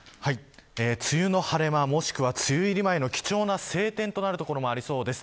梅雨の晴れ間、もしくは梅雨入り前の貴重な晴天となる所もありそうです。